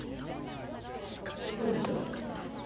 行くんでしょ？